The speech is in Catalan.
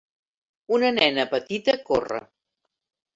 Una nena petita corre.